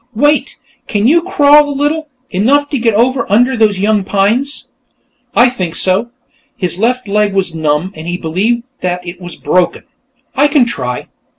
Wait! Can you crawl a little? Enough to get over under those young pines?" "I think so." His left leg was numb, and he believed that it was broken. "I can try."